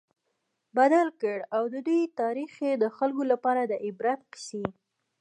بدل کړ، او د دوی تاريخ ئي د خلکو لپاره د عبرت قيصي